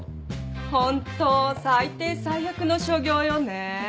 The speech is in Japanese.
ホント最低最悪の所業よね。